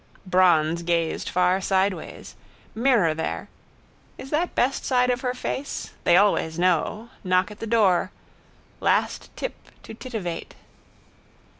Bronze gazed far sideways. Mirror there. Is that best side of her face? They always know. Knock at the door. Last tip to titivate.